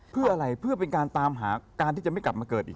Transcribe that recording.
เพื่ออะไรเพื่อเป็นการตามหาการที่จะไม่กลับมาเกิดอีก